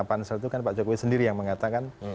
pansel itu kan pak jokowi sendiri yang mengatakan